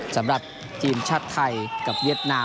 สำหรับทีมชาติไทยกับเวียดนาม